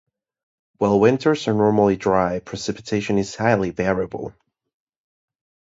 While winters are normally dry, precipitation is highly variable.